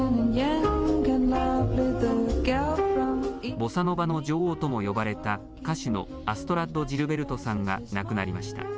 ボサノバの女王とも呼ばれた歌手のアストラッド・ジルベルトさんが亡くなりました。